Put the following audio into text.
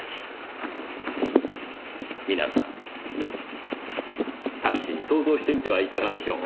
皆さん試しに想像してみてはいかがでしょう？